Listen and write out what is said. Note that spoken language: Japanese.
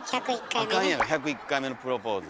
あかんやん「１０１回目のプロポーズ」。